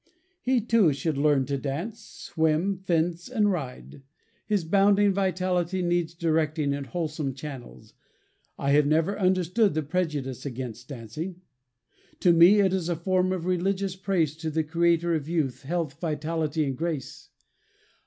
He, too, should learn to dance, swim, fence, and ride. His bounding vitality needs directing in wholesome channels. I have never understood the prejudice against dancing. To me, it is a form of religious praise of the Creator of youth, health, vitality, and grace.